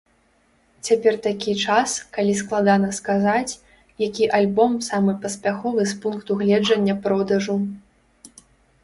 Цяпер такі час, калі складана сказаць, які альбом самы паспяховы з пункту гледжання продажу.